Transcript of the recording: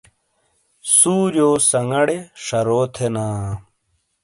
سُوریو سنگاڑے شَرو تھینا۔